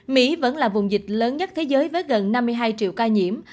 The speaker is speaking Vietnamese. mỹ vẫn là vùng dịch lớn nhất thế giới với gần năm mươi hai triệu ca nhiễm